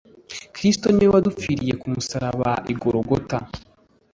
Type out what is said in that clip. Kristo Ni we wadupfiriye k umusaraba igorogota